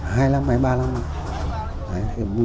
hai năm hay ba năm